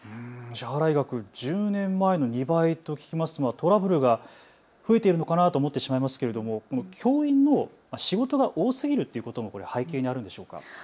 支払い額、１０年前の２倍と聞くとトラブルが増えているのかなと思ってしまいますが教員の仕事が多すぎるということも背景にあるのでしょうか。